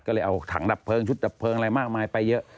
ก็เลยเอาถังดับเพลิงชุดดับเพลิงอะไรมากมายไปเยอะ